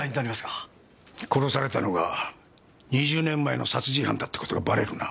殺されたのが２０年前の殺人犯だって事がバレるな。